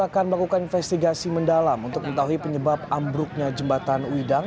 akan melakukan investigasi mendalam untuk mengetahui penyebab ambruknya jembatan widang